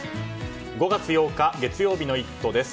５月８日月曜日の「イット！」です。